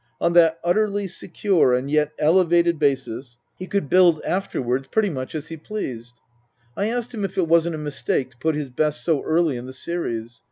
On that utterly secure and yet elevated basis he could build after wards pretty much as he pleased. I asked him if it wasn't a mistake to put his best so early in the series